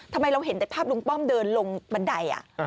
ทำไมเราเห็นแต่ภาพลุงป้อมเดินลงบันได